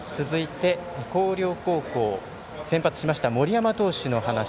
続いて、広陵高校先発しました森山投手の話。